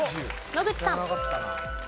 野口さん。